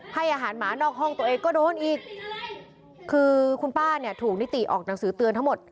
ให้อาหารหมานอกห้องตัวเองก็โดนอีกคือคุณป้าเนี่ยถูกนิติออกหนังสือเตือนทั้งหมด